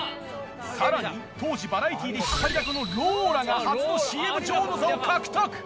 さらに当時バラエティで引っ張りだこのローラが初のＣＭ女王の座を獲得！